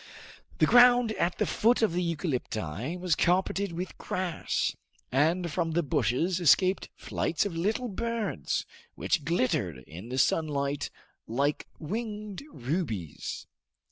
The ground at the foot of the eucalypti was carpeted with grass, and from the bushes escaped flights of little birds, which glittered in the sunlight like winged rubies.